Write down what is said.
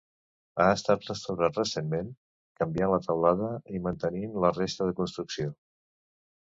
Ha estat restaurat recentment, canviant la teulada i mantenint la resta de construcció.